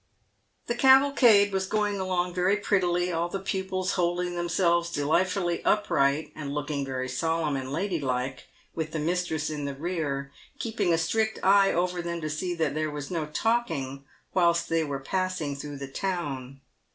The cavalcade was going along very prettily, all the pupils holding themselves delightfully upright, and looking very solemn and lady like, with the mistress in the rear, keeping a strict eye over them to see that there was no talking whilst they were passing through the town.